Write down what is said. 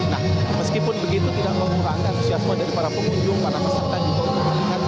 nah meskipun begitu tidak mengurangkan suksesnya kepada para pengunjung para peserta juga